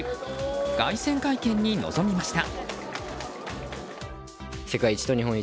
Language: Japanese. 凱旋会見に臨みました。